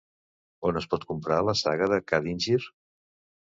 On es pot comprar la saga de Kadingir?